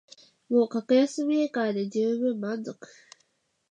もう格安メーカーでじゅうぶん満足